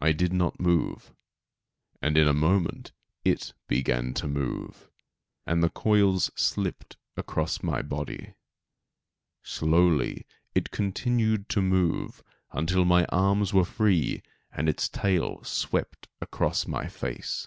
I did not move, and in a moment it began to move again, and the coils slipped across my body. Slowly it continued to move, until my arms were free and its tail swept across my face.